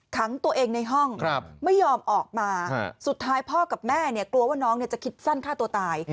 ขังตัวเองในห้องไม่ยอมออกมาสุดท้ายพ่อกับแม่เนี่ยกลัวว่าน้องจะคิดสั้นฆ่าตัวตาย